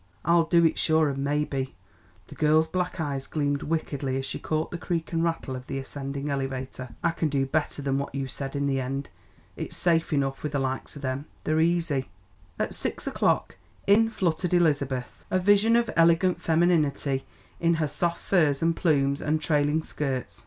"I'll do it sure, and maybe " The girl's black eyes gleamed wickedly as she caught the creak and rattle of the ascending elevator " I can do better than what you said in the end. It's safe enough with the likes o' them. They're easy." At six o'clock in fluttered Elizabeth, a vision of elegant femininity in her soft furs and plumes and trailing skirts.